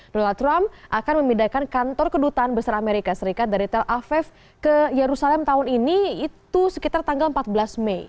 donald trump akan memindahkan kantor kedutaan besar amerika serikat dari tel aviv ke yerusalem tahun ini itu sekitar tanggal empat belas mei